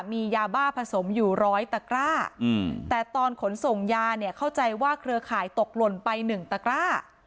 มียาบ้าผสมอยู่ร้อยตะกร้าแต่ตอนขนส่งยาเนี่ยเข้าใจว่าเครือข่ายตกหล่นไป๑ตะกร้า